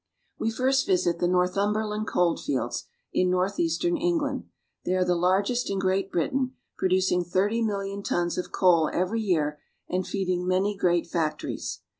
We first visit the Northumberland coal fields, in north eastern England ; they are the largest in Great Britain, producing thirty million tons of coal every year and feed ing many great factories.